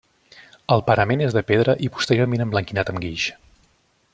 El parament és de pedra i posteriorment emblanquinat amb guix.